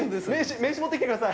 名刺持ってきてください。